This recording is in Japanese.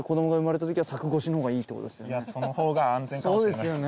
その方が安全かもしれないです。